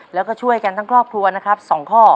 แล้วก็ช่วยกันทั้งครอบครัวนะครับ๒ข้อ